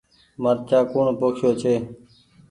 مرچآ ڪوڻ پوکيو ڇي۔